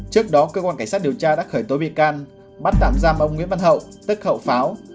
trước đó cơ quan cảnh sát điều tra đã khởi tố bị can bắt tạm giam ông nguyễn văn hậu tức khẩu pháo